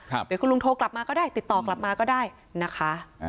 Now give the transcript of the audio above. เดี๋ยวคุณลุงโทรกลับมาก็ได้ติดต่อกลับมาก็ได้นะคะ